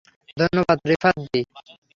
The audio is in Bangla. ধন্যবাদ রিফাত দ্বি।